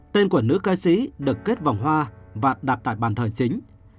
tên của nữ ca sĩ được kết vòng hoa và đặt tại bàn thờ chính